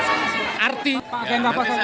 saya akan jelaskan lebih jauh